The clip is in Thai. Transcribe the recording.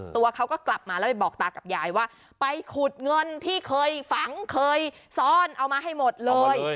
ตัวเขาก็กลับมาแล้วไปบอกตากับยายว่าไปขุดเงินที่เคยฝังเคยซ่อนเอามาให้หมดเลย